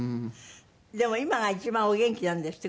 でも今が一番お元気なんですって？